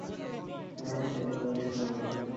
তা হলে কাজও নষ্ট হয়।